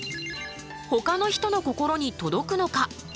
ほかの人の心に届くのか？